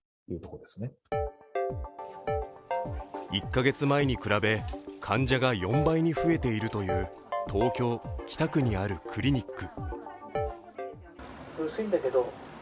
１か月前に比べ患者が４倍に増えているという東京・北区にあるクリニック。